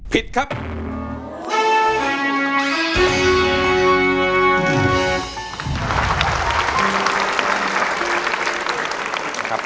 ผิดครับ